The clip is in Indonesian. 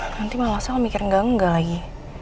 nanti malah sel mikir engga engga lagi